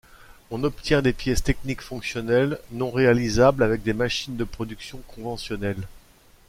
On obtient des pièces techniques fonctionnelles, non réalisables avec des machines de production conventionnelles.